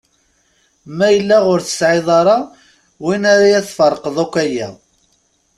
Ma yella ur tesɛiḍ ara win ara tferqeḍ akk aya.